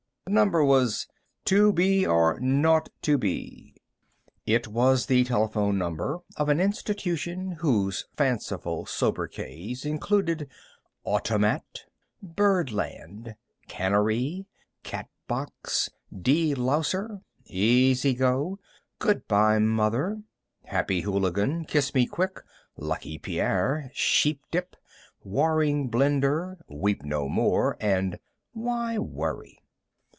The number was: "2 B R 0 2 B." It was the telephone number of an institution whose fanciful sobriquets included: "Automat," "Birdland," "Cannery," "Catbox," "De louser," "Easy go," "Good by, Mother," "Happy Hooligan," "Kiss me quick," "Lucky Pierre," "Sheepdip," "Waring Blendor," "Weep no more" and "Why Worry?"